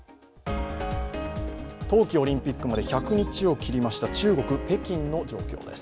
冬季オリンピックまで１００日を切りました中国・北京の状況です。